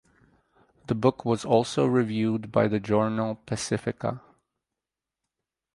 The book was also reviewed by the journal "Pacifica".